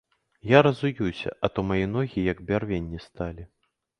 Я разуюся, а то мае ногі як бярвенне сталі.